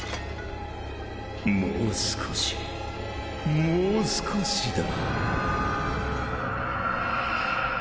もう少しもう少しだ。